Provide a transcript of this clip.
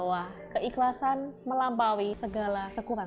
maka indera perabahannya akan menjadi kekuatan